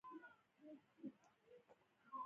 دواړه کسان باسواده وو او له پوستي خدمتونو ګټه اخیست